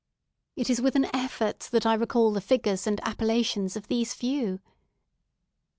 It is with an effort that I recall the figures and appellations of these few.